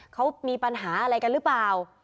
เขามีปัญหาอะไรกันหรือเปล่า